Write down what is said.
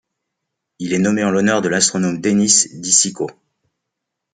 Il est nommé en l'honneur de l'astronome Dennis di Cicco.